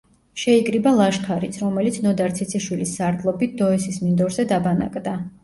შეიკრიბა ლაშქარიც, რომელიც ნოდარ ციციშვილის სარდლობით დოესის მინდორზე დაბანაკდა.